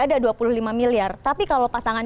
ada dua puluh lima miliar tapi kalau pasangan